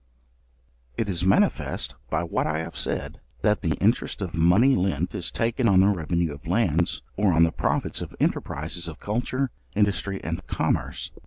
It is manifest by what I have said, that the interest of money lent is taken on the revenue of lands, or on the profits of enterprizes of culture, industry, and commerce.